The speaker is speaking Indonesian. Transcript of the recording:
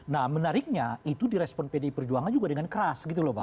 nah menariknya itu di respon pdi perjuangan juga dengan keras gitu loh mbak